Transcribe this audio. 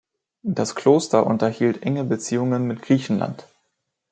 Das Kloster unterhielt enge Beziehungen mit Griechenland.